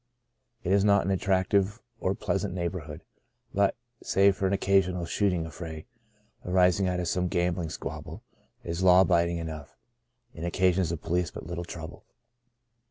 It is not an attractive or pleasant neighbourhood, but, save for an oc casional shooting affray arising out of some 119 1 20 " Out of Nazareth " gambling squabble, is law abiding enough, and occasions the police but little trouble.